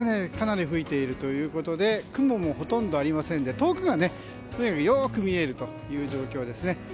今日は冬型の気圧配置になって北風がかなり吹いているということで雲もほとんどありませんで遠くがよく見えるという状況です。